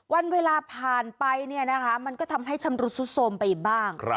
วันเวลาผ่านไปมันก็ทำให้ชำรุดซุดสมไปบ้าง